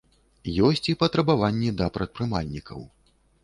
Ёсць і патрабаванні да прадпрымальнікаў.